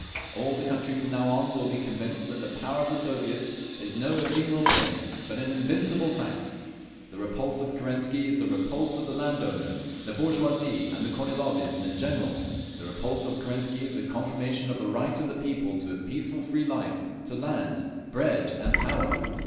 All the country from now on will be convinced that the Power of the Soviets is no ephemeral thing, but an invincible fact…. The repulse of Kerensky is the repulse of the land owners, the bourgeoisie and the Kornilovists in general. The repulse of Kerensky is the confirmation of the right of the people to a peaceful free life, to land, bread and power.